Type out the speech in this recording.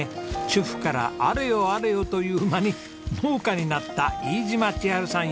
主婦からあれよあれよという間に農家になった飯島千春さん